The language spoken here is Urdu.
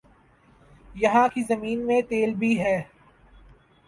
یہاں کی زمین میں تیل بھی ہے